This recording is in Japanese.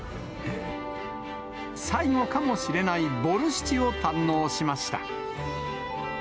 最後かもしれないボルシチを堪能しました。